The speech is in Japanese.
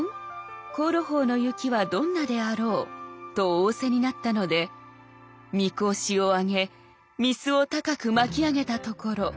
香炉峰の雪はどんなであろう』と仰せになったので御格子を上げ御簾を高く巻き上げたところ